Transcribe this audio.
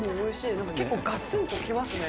なんか結構、がつんときますね。